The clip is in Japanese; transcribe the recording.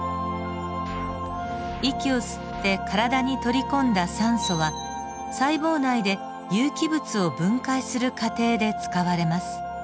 息を吸って体に取り込んだ酸素は細胞内で有機物を分解する過程で使われます。